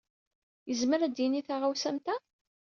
Yezmer ad d-yini taɣawsa am ta?